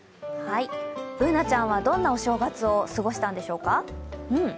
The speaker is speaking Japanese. Ｂｏｏｎａちゃんはどんなお正月を過ごしたんでしょうか？